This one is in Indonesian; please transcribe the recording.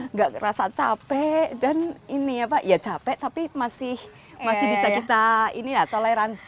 nggak rasa capek dan ini ya pak ya capek tapi masih bisa kita ini ya toleransi